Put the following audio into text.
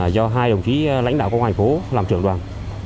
do hai đồng chí lãnh đạo công an thành phố làm trưởng đoàn